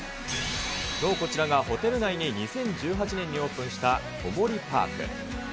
こちらがホテル内に２０１８年にオープンしたコモリパーク。